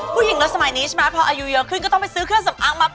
เราสมัยนี้ใช่ไหมพออายุเยอะขึ้นก็ต้องไปซื้อเครื่องสำอางมา